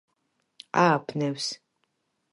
ააბნევს